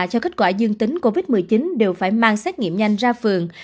cho kết quả dương tính covid một mươi chín đều phải mang xét nghiệm nhanh ra phường